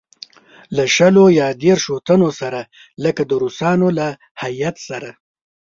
له شلو یا دېرشوتنو سره لکه د روسانو له هیات سره.